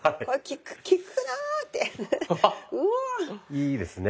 いいですね。